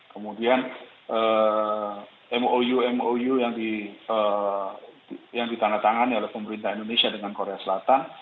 kemudian mou mou yang ditandatangani oleh pemerintah indonesia dengan korea selatan